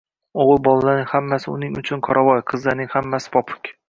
O‘g‘il bolalarning hammasi uning uchun qoravoy, qizlarning hammasi popuk.